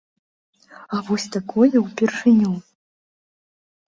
А вось такое ўпершыню.